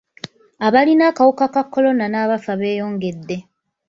Abalina akawuka ka kolona n'abafa beeyongedde.